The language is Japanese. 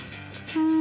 うん。